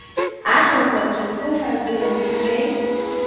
Ахьаԥарч азыҳәан ирымҳәахьеи…